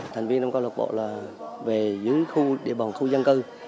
thành viên trong câu lạc bộ là về những khu địa bàn khu dân cư